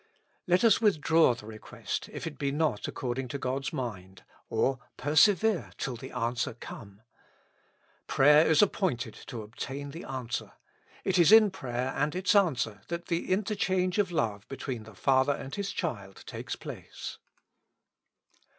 Let us withdraw the request, if it be not according to God's mind, or persevere till the answer come. Prayer is appointed to obtain the answer. It is in prayer and its answer that the inter change of love between the Father and His child takes place.